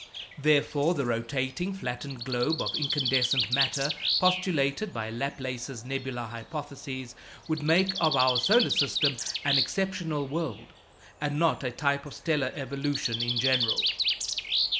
Therefore, the rotating flattened globe of incandescent matter postulated by Laplace's nebular hypothesis would make of our solar system an exceptional world, and not a type of stellar evolution in general.